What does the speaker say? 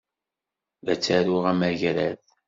La ttaruɣ amagrad.